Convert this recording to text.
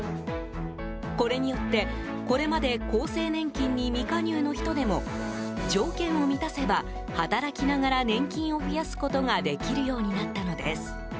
これによって、これまで厚生年金に未加入の人でも条件を満たせば働きながら年金を増やすことができるようになったのです。